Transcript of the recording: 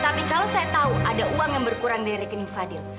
tapi kalau saya tahu ada uang yang berkurang dari rekening fadil